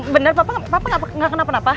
bener papa papa gak kenapa kenapa